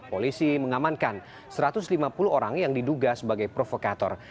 polisi mengamankan satu ratus lima puluh orang yang diduga sebagai provokator